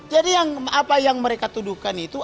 jadi apa yang mereka tuduhkan itu